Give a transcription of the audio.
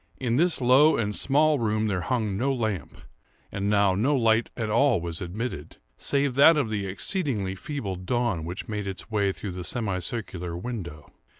In this low and small room there hung no lamp; and now no light at all was admitted, save that of the exceedingly feeble dawn which made its way through the semi circular window.